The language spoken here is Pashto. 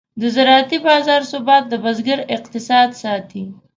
د زراعتي بازار ثبات د بزګر اقتصاد ساتي.